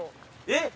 えっ！